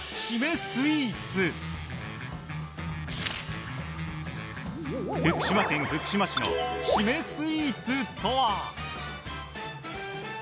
スイーツ福島県福島市の〆スイーツとは？